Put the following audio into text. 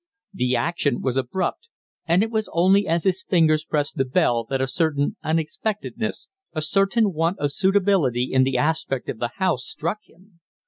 The action was abrupt, and it was only as his fingers pressed the bell that a certain unexpectedness, a certain want of suitability in the aspect of the house, struck him.